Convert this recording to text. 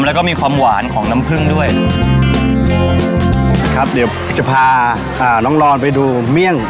แล้วก็มีความหวานของน้ำผึ้งด้วยครับเดี๋ยวจะพาอ่าน้องรอนไปดูเมี่ยง